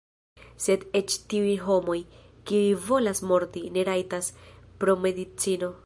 Sed eĉ tiuj homoj, kiuj volas morti, ne rajtas, pro medicino.